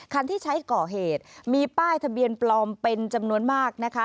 คันที่ใช้ก่อเหตุมีป้ายทะเบียนปลอมเป็นจำนวนมากนะคะ